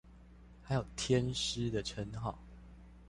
還有天師的稱號